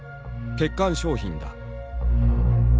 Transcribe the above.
欠陥商品だ」。